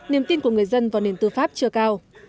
niềm tin của người dân vào nền tư pháp chưa cao